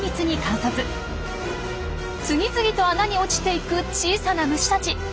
次々と穴に落ちていく小さな虫たち。